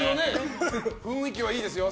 雰囲気はいいですよ。